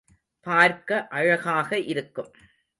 பார்க்க அழகாக இருக்கும்.